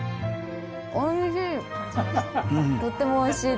おいしい。